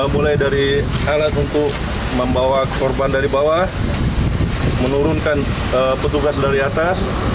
mulai dari alat untuk membawa korban dari bawah menurunkan petugas dari atas